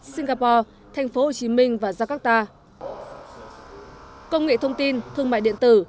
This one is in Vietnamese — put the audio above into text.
singapore thành phố hồ chí minh và jakarta công nghệ thông tin thương mại điện tử